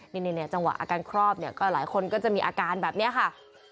นี่จังหวะอาการครอบเนี่ยก็หลายคนก็จะมีอาการแบบนี้ค่ะ